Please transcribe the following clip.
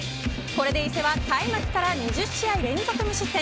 これで伊勢は開幕から２０試合連続無失点。